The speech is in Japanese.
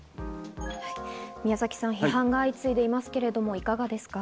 批判が相次いでいますけれども、いかがですか。